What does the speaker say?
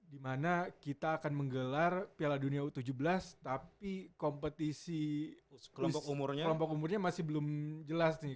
dimana kita akan menggelar piala dunia u tujuh belas tapi kompetisi kelompok umurnya masih belum jelas nih